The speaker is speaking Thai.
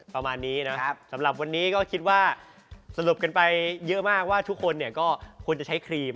ประมาณนี้นะครับสำหรับวันนี้ก็คิดว่าสรุปกันไปเยอะมากว่าทุกคนเนี่ยก็ควรจะใช้ครีม